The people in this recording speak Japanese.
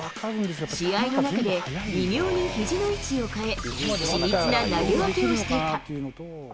試合の中で、微妙にひじの位置を変え、緻密な投げ分けをしていた。